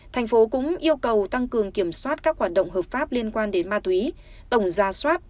thành phố cũng yêu cầu tăng cường kiểm soát các hoạt động hợp pháp liên quan đến ma túy tổng gia soát